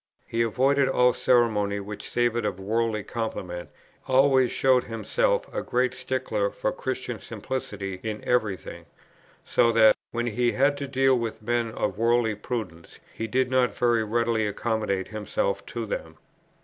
"He avoided all ceremony which savoured of worldly compliment, and always showed himself a great stickler for Christian simplicity in every thing; so that, when he had to deal with men of worldly prudence, he did not very readily accommodate himself to them.